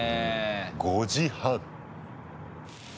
５時半。